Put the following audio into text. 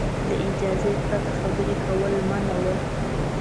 له اجازې پرته خبرې کول منع وو.